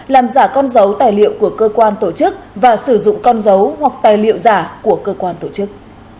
làm giả con dấu tài liệu của cơ quan tổ chức và sử dụng con dấu hoặc tài liệu giả của cơ quan tổ chức